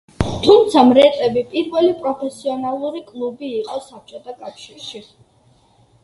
თუმცა მრეტები პირველი პროფესიონალური კლუბი იყო საბჭოთა კავშირში.